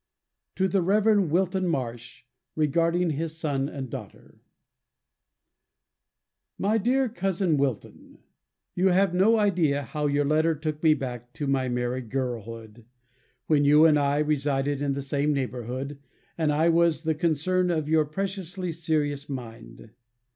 To The Rev. Wilton Marsh Regarding His Son and Daughter My dear Cousin Wilton: You have no idea how your letter took me back to my merry girlhood, when you and I resided in the same neighbourhood, and I was the concern of your precociously serious mind.